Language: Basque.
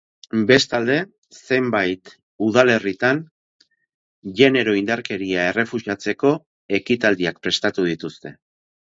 Bestalde, zenbait udalerritan genero-indarkeria errefusatzeko ekitaldiak prestatu dituzte.